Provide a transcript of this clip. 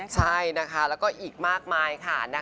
ใช่นะคะแล้วก็อีกมากมายค่ะ